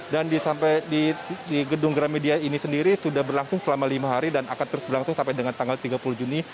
dan di gedung gramedia ini sendiri sudah berlangsung selama lima hari dan akan terus berlangsung sampai dengan tanggal tiga puluh juni